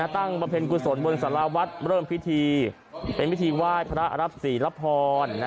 ตั้งประเพ็ญกุศลบนสารวัดเริ่มพิธีเป็นพิธีไหว้พระอรับศรีรับธร